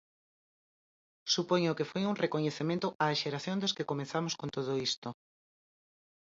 Supoño que foi un recoñecemento á xeración dos que comezamos con todo isto.